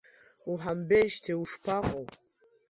Уҳамбеижьҭеи ушԥаҟоу?